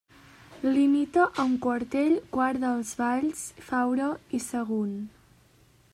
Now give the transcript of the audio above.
Limita amb Quartell, Quart de les Valls, Faura i Sagunt.